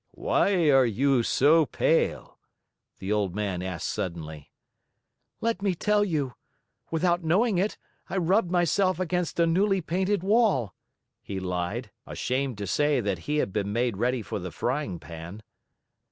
"Why are you so pale?" the old man asked suddenly. "Let me tell you. Without knowing it, I rubbed myself against a newly painted wall," he lied, ashamed to say that he had been made ready for the frying pan.